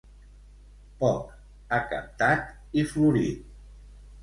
Poc, acaptat i florit.